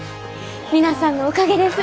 皆さんのおかげです。